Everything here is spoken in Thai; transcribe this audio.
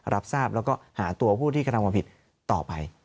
รับทราบแล้วก็หาตัวผู้ที่กระทำความผิดต่อไป